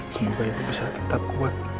semoga itu bisa tetap kuat